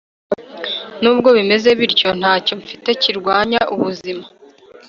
Nubwo bimeze bityo ntacyo mfite kirwanya ubuzima